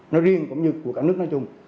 nó riêng cũng như của cả nước nói chung